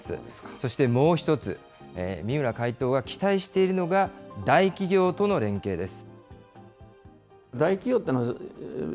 そしてもう一つ、三村会頭が期待しているのが、大企業との連携です。